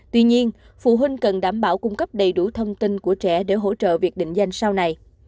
tuy nhiên phụ huynh cần đảm bảo cung cấp đầy đủ thông tin của trẻ để hỗ trợ việc định danh sau này